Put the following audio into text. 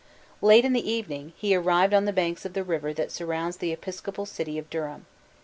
Late in the evening, he arrived on the banks of the river that surrounds the episcopal city of Durham.